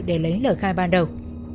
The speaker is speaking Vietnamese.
để lấy lời khai ban đầu